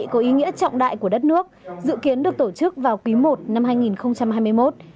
có ý nghĩa trọng đại của đất nước dự kiến được tổ chức vào quý i năm hai nghìn hai mươi một